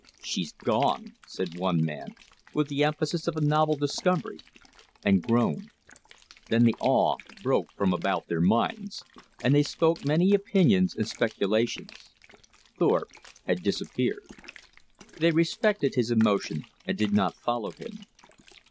"She's GONE!" said one man, with the emphasis of a novel discovery; and groaned. Then the awe broke from about their minds, and they spoke many opinions and speculations. Thorpe had disappeared. They respected his emotion and did not follow him.